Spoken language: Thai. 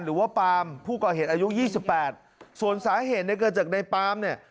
หรือว่าปาล์มผู้ก่อเหตุอายุ๒๘ส่วนสาเหตุในเกิดจากนายปาล์มเนี่ย